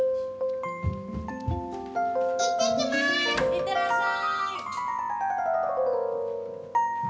いってらっしゃーい。